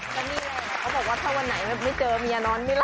ก็นี่แหละเขาบอกว่าถ้าวันไหนไม่เจอเมียนอนไม่หลับ